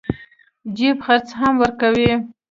جيب خرڅ هم ورکوي.